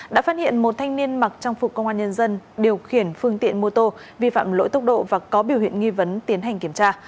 đã phát hiện một thanh niên mặc trang phục công an nhân dân điều khiển phương tiện mô tô vi phạm lỗi tốc độ và có biểu hiện nghi vấn tiến hành kiểm tra